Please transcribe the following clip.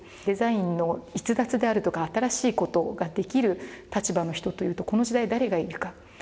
デザインの逸脱であるとか新しい事ができる立場の人というとこの時代誰がいるか。